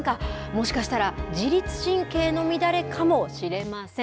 もしかしたら、自律神経の乱れかもしれません。